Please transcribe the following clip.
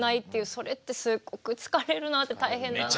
それってすっごく疲れるなって大変だなって。